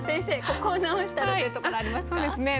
ここを直したらっていうところありますか？